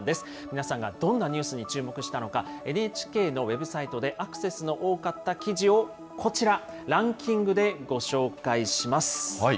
皆さんがどんなニュースに注目したのか、ＮＨＫのウェブサイトでアクセスの多かった記事を、こちら、ランキングでご紹介します。